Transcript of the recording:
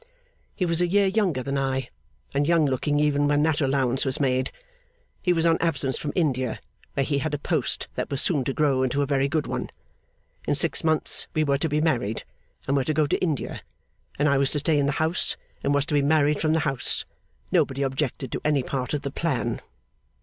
He was a year younger than I, and young looking even when that allowance was made. He was on absence from India, where he had a post that was soon to grow into a very good one. In six months we were to be married, and were to go to India. I was to stay in the house, and was to be married from the house. Nobody objected to any part of the plan.